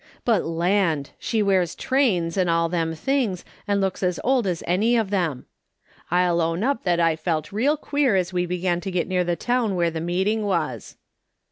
But land ! She wears trains, and all them things, and looks as old as any of them. I'll own up that I felt real queer as we began to get near the town where the meeting was.